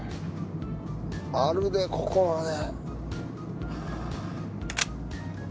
あるでここはね。